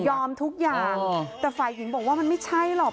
ทุกอย่างแต่ฝ่ายหญิงบอกว่ามันไม่ใช่หรอก